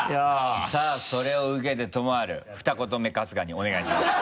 さぁそれを受けて知治ふた言目春日にお願いします。